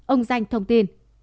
ông danh thông tin